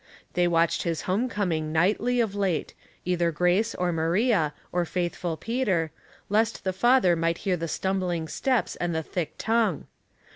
They watched his home coming nightly of late, 182 Household Puzzles, either Grace or Maria, or faithful Peter, lest the father might hear the stumbling steps and the thick tongue.